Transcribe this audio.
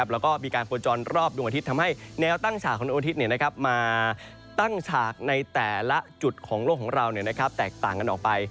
แล้วก็มีการโคจรรอบดวงอาทิตย์ทำให้แนวตั้งฉากของดวงอาทิตย์มาตั้งฉากในแต่ละจุดของโลกของเราแตกต่างกันออกไป